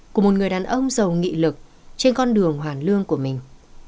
của một người đàn ông giàu nghị lực trên con đường hoàn lương của mình